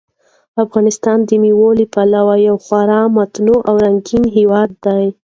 افغانستان د مېوو له پلوه یو خورا متنوع او رنګین هېواد دی.